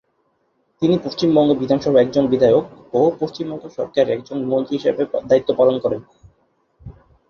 তিনি পশ্চিমবঙ্গ বিধানসভার একজন বিধায়ক ও পশ্চিমবঙ্গ সরকারের একজন মন্ত্রী হিসেবেও দায়িত্ব পালন করেছেন।